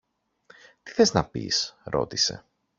Τι θες να πεις; ρώτησε.